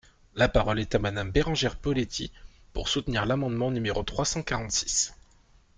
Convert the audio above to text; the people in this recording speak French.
La parole est à Madame Bérengère Poletti, pour soutenir l’amendement numéro trois cent quarante-six.